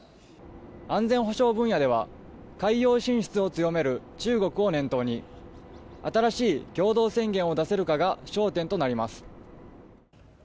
安全保障分野では海洋進出を強める中国を念頭に新しい共同宣言を出せるかが焦点となります。